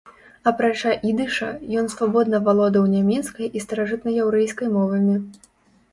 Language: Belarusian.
Апрача ідыша, ён свабодна валодаў нямецкай і старажытнаяўрэйскай мовамі.